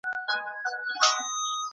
珊瑚藤为蓼科珊瑚藤属下的一个种。